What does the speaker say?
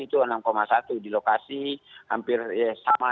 itu enam satu di lokasi hampir sama